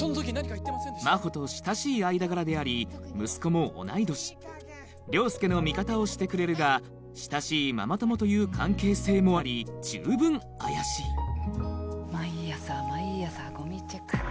真帆と親しい間柄であり息子も同い年凌介の味方をしてくれるが親しいママ友という関係性もあり十分怪しい毎朝毎朝ゴミチェック。